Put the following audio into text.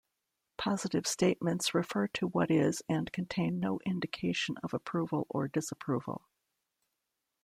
Positive statements refer to what is and contain no indication of approval or disapproval.